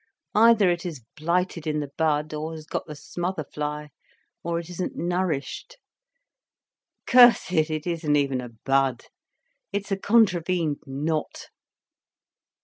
Either it is blighted in the bud, or has got the smother fly, or it isn't nourished. Curse it, it isn't even a bud. It is a contravened knot."